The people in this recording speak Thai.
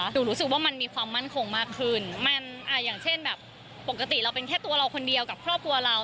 รู้สึกว่ามันมีความมั่นคงมากขึ้นมันอย่างเช่นแบบปกติเราเป็นแค่ตัวเราคนเดียวกับครอบครัวเรา